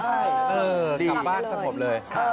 เออกลับบ้านสมบัติเลย